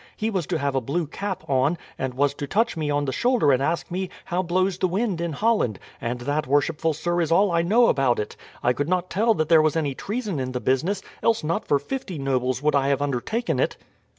He was to have a blue cap on, and was to touch me on the shoulder and ask me 'How blows the wind in Holland?' and that, worshipful sir, is all I know about it. I could not tell that there was any treason in the business, else not for fifty nobles would I have undertaken it."